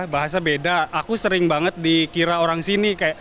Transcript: bahasa beda aku sering banget dikira orang sini